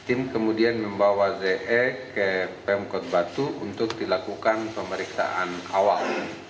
tim kemudian membawa ze ke pemkot batu untuk dilakukan pemeriksaan awal